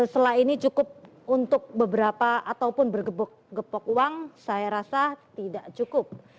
setelah ini cukup untuk beberapa ataupun bergepok uang saya rasa tidak cukup